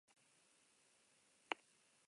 Mundu osoan soilik Europan bizi den espeziea da.